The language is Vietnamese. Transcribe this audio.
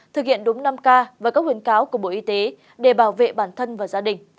thực hiện đúng năm k và các khuyến cáo của bộ y tế để bảo vệ bản thân và gia đình